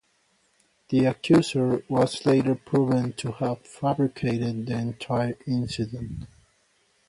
The accuser was later proven to have fabricated the entire incident.